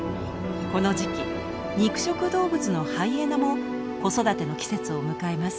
この時期肉食動物のハイエナも子育ての季節を迎えます。